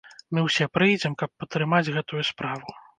Мы ўсе прыйдзем, каб падтрымаць гэтую справу.